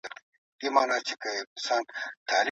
چېري بې سرپرسته ماشومانو ته د زده کړي زمینه برابریږي؟